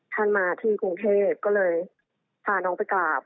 ท่านมาที่กรุงเทพก็เลยพาน้องไปกราบ